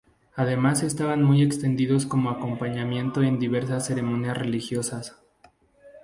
Además estaban muy extendidos como acompañamiento en diversas ceremonias religiosas.